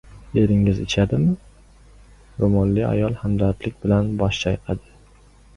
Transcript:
— Eringiz ichadimi? — ro‘molli ayol hamdardlik bilan bosh chayqadi.